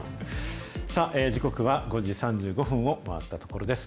さあ、時刻は５時３５分を回ったところです。